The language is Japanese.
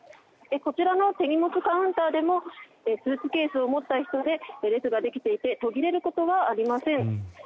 こちらの手荷物カウンターでもスーツケースを持った人で列ができていて途切れることはありません。